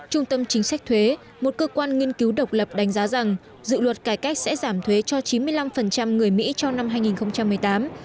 trung tâm chính sách thuế một cơ quan nghiên cứu độc lập đánh giá rằng dự luật cải cách sẽ giảm thuế cho chín mươi năm người mỹ trong năm hai nghìn một mươi tám